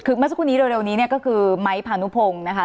คือเมื่อสักครู่นี้เร็วนี้เนี่ยก็คือไม้พานุพงศ์นะคะ